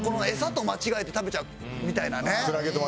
エサと間違えて食べちゃうみたいなね。